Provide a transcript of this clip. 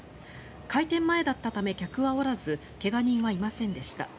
開店前だったため客はおらず怪我人はいませんでした。